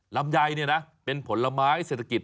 ลำไยเนี่ยนะเป็นผลไม้เศรษฐกิจ